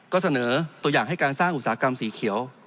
ก็เสนอตัวอย่างให้การสร้างอุตสาหกรรมสีเขียว